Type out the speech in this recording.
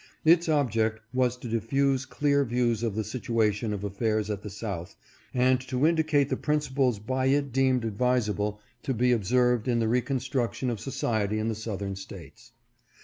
Its object was to diffuse clear views of the situation of affairs at the South and to indicate the principles by it deemed advisable to be observed in the reconstruction of society in the Southern States.